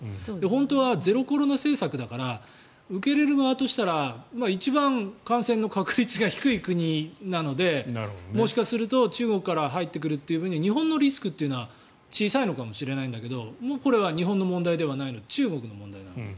本当はゼロコロナ政策だから受け入れる側としたら一番感染の確率が低い国なのでもしかすると中国から入ってくるという分には日本のリスクというのは小さいかもしれないんだけどこれは日本の問題ではないので中国の問題なので。